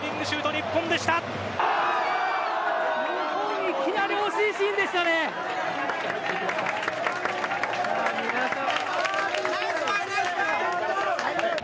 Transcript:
日本、いきなり惜しいシーンでしたね。